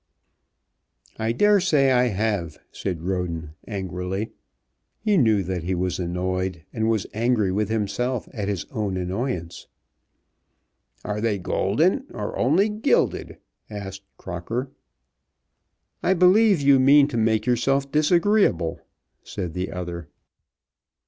"I dare say I have," said Roden, angrily. He knew that he was annoyed, and was angry with himself at his own annoyance. "Are they golden or only gilded?" asked Crocker. "I believe you mean to make yourself disagreeable," said the other.